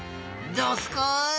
どすこい！